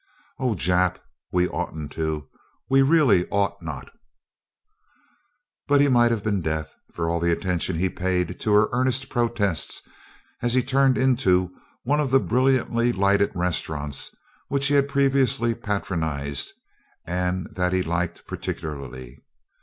"Oh, Jap, we oughtn't to we really ought not!" But he might have been deaf, for all the attention he paid to her earnest protests as he turned into one of the brilliantly lighted restaurants which he had previously patronized and that he liked particularly.